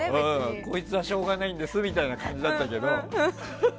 こいつはしょうがないんですみたいな感じだったけど。